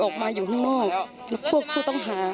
เราอยากให้เขาออกมาบอกว่ามีใครยังไง